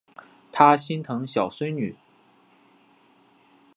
他心疼小孙女